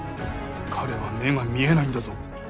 彼は目が見えないんだぞ